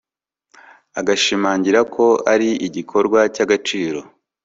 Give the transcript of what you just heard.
agashimangira ko ari igikorwa cy'agaciro